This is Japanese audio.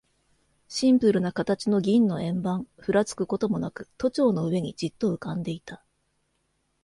シンプルな形の銀の円盤、ふらつくこともなく、都庁の上にじっと浮んでいた。